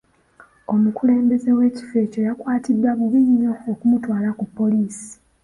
Omukulembeze w'ekifo ekyo yakwatiddwa bubi nnyo okumutwala ku poliisi.